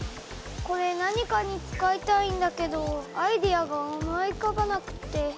これ何かに使いたいんだけどアイデアが思いうかばなくて。